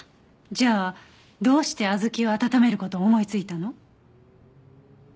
じゃあどうして小豆を温める事を思いついたの？